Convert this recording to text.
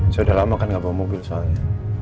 sudah lama kan gak bawa mobil soalnya